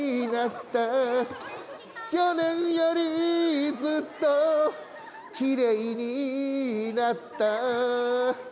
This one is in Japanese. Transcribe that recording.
「去年よりずっときれいになった」